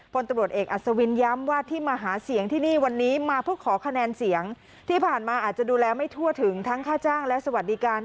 พลตำรวจเอกอัศวินย้ำว่าที่มาหาเสียงที่นี่วันนี้มาเพื่อขอคะแนนเสียงที่ผ่านมาอาจจะดูแลไม่ทั่วถึงทั้งค่าจ้างและสวัสดิการ